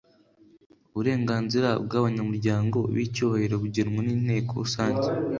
Uburenganzira bw abanyamuryango b icyubahiro bugenwa n Inteko rusange